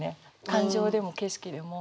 感情でも景色でも。